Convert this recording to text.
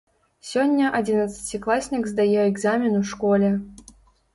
Сёння адзінаццацікласнік здае экзамен у школе.